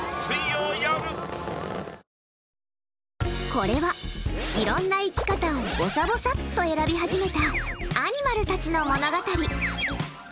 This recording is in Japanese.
これは、いろんな生き方をぼさぼさっと選び始めたアニマルたちの物語。